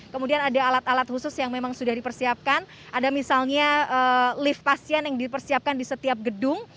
kemudian ada alat alat khusus yang memang sudah dipersiapkan ada misalnya lift pasien yang dipersiapkan di setiap gedung